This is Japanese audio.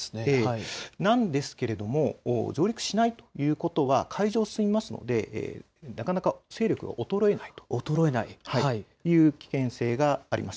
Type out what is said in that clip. なんですが、上陸しないということは海上を進むのでなかなか勢力が衰えないという危険性があります。